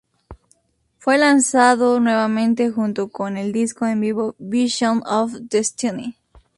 Fue lanzado nuevamente junto con el disco en vivo Visions of Destiny.